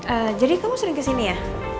eh jadi kamu sering kesini ya